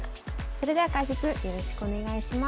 それでは解説よろしくお願いします。